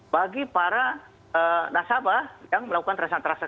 bagi para nasabah yang melakukan transaksi di sana